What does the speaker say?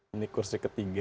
ini kursi ketiga